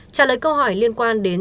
trả lời câu hỏi liên quan đến